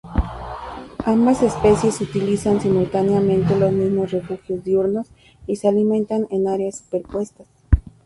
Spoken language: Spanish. Ambas especies utilizan simultáneamente los mismos refugio diurnos y se alimentan en áreas superpuestas.